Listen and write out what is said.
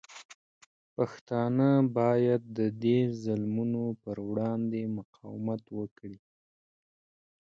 پښتانه باید د دې ظلمونو پر وړاندې مقاومت وکړي.